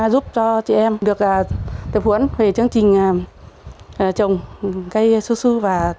giúp cho chị em được tập huấn về chương trình chồng cây su su